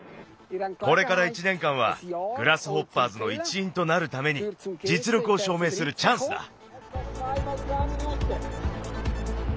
これから１年かんはグラスホッパーズの一いんとなるためにじつ力をしょうめいするチャンスだ。